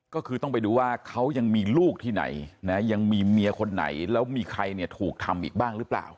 ก็คือต้องไปดูว่าเขายังมีลูกที่ไหนนะยังมีเมียคนไหนแล้วมีใครเนี่ยถูกทำอีกบ้างหรือเปล่า